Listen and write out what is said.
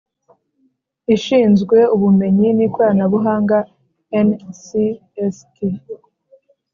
Ishinzwe ubumenyi n ikoranabuhanga ncst